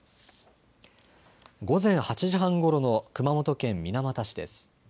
午前８時半ごろの熊本県水俣市です。